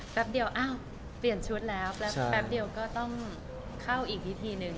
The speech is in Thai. แป๊บเดียวอ้าวเปลี่ยนชุดแล้วแป๊บเดียวก็ต้องเข้าอีกวิธีหนึ่ง